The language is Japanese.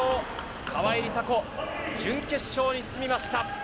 川井梨紗子、準決勝に進みました。